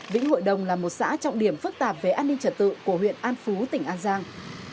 vĩnh hội đồng là một xã trọng điểm phức tạp về an ninh trật tự của huyện an phú tỉnh an giang